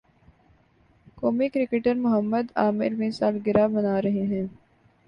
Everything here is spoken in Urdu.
قومی کرکٹر محمد عامر ویں سالگرہ منا رہے ہیں